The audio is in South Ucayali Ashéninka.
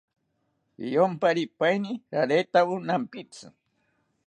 Riyompaeni raretawo nampitzi